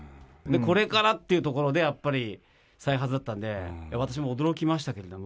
これからっていうところで、やっぱり、再発だったんで、私も驚きましたけども。